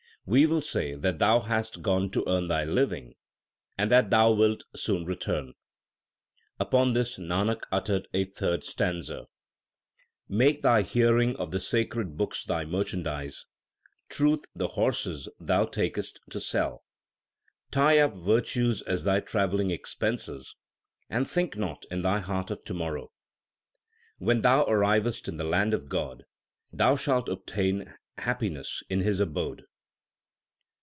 We will say that thou hast gone to earn thy living, and that thou wilt soon return. Upon this Nanak uttered a third stanza : Make thy hearing of the sacred books thy merchandise, truth the horses thou takest to sell ; Tie up virtues as thy travelling expenses, and think not in thy heart of to morrow. When thou arrivest in the land of God, thou shalt obtain happiness in His abode.